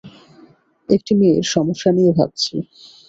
একটি মেয়ের সমস্যা নিয়ে ভাবছি।